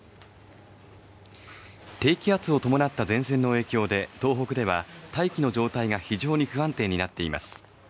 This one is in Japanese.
低気圧を伴った前線の影響で東北では大気の状態が非常に不安定になっています